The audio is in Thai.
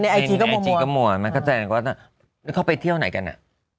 ในไอจีก็มั่วมันเข้าใจก็ว่านี่เขาไปเที่ยวไหนกันอ่ะ